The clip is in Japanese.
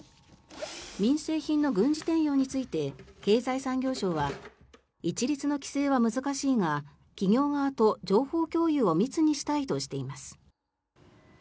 民生品の軍事転用について経済産業省は一律の規制は難しいが企業側と情報共有を密にしたいとしています。